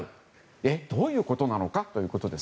え、どういうことなのか？ということです。